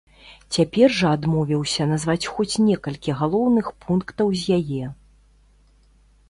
Цяпер жа адмовіўся назваць хоць некалькі галоўных пунктаў з яе.